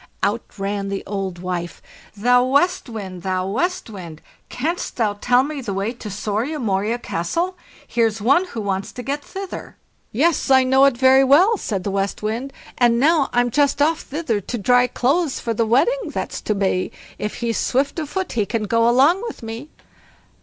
Out ran the old wife. "THOU WEST WIND, THOU WEST WIND! Canst thou tell me the way to SORIA MORIA CASTLE? Here's one who wants to get thither." "Yes, I know it very well", said the West Wind, and now I'm just off thither to dry clothes for the wedding that's to be; if he's swift of foot he can go along with me."